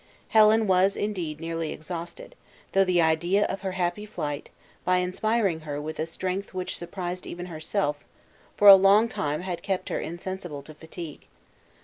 Helen was indeed nearly exhausted, though the idea of her happy flight, by inspiring her with a strength which surprised even herself, for a long time had kept her insensible to fatigue.